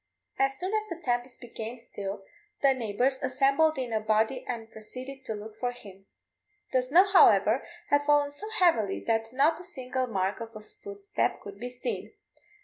As soon as the tempest became still, the neighbours assembled in a body and proceeded to look for him. The snow, however, had fallen so heavily that not a single mark of a footstep could be seen.